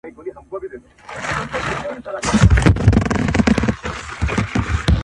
o چي کم وي لويوه ئې، چي لوى سي تربور دئ، جنگوه ئې٫